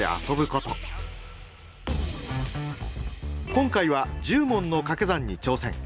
今回は１０問のかけ算に挑戦。